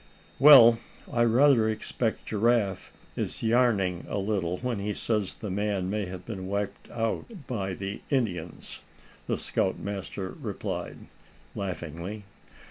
"Well, I rather expect Giraffe is yarning a little when he says the man may have been wiped out by the Indians," the scoutmaster replied, laughingly.